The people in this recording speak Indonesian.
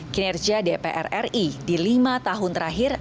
kinerja dpr ri di lima tahun terakhir